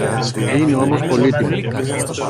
Είναι όμως πολύτιμο.